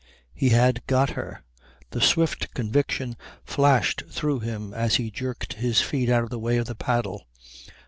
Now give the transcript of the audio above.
He had got her. The swift conviction flashed through him as he jerked his feet out of the way of the paddle.